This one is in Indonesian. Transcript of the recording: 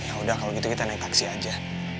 ya udah kalau gitu kita naik taksi aja